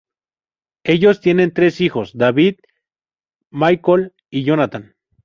Ellos tienen tres hijos, David, Michael y Jonathan.